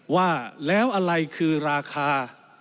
ว่าแล้วอะไรคือราคา